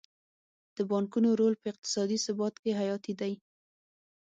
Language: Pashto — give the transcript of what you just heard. د بانکونو رول په اقتصادي ثبات کې حیاتي دی.